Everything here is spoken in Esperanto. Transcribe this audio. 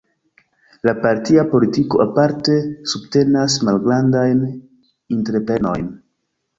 La partia politiko aparte subtenas malgrandajn entreprenojn.